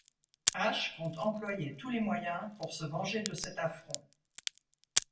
Ash compte employer tous les moyens pour se venger de cet affront.